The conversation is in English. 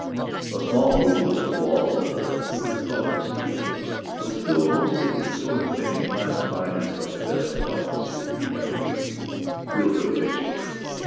The small room, with its walls of ocher colored steel, was filled mostly with the sort of men he classified as the Best Fellows You'll Ever Meet Real Good Mixers.